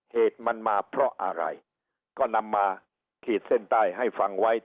เหตุมันมาเพราะอะไรก็นำมาขีดเส้นใต้ให้ฟังไว้